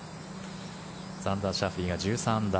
ザンダー・シャフリーが１３アンダー。